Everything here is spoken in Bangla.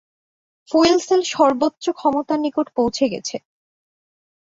ফুয়েল সেল সর্বোচ্চ ক্ষমতার নিকট পৌঁছে গেছে।